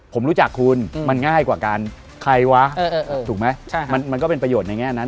ผมรู้จักคุณมันง่ายกว่ากันใครวะถูกไหมมันก็เป็นประโยชน์ในแง่นั้น